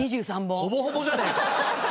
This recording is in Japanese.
ほぼほぼじゃねえか。